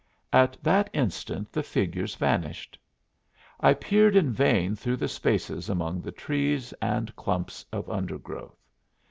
At that instant the figures vanished. I peered in vain through the spaces among the trees and clumps of undergrowth.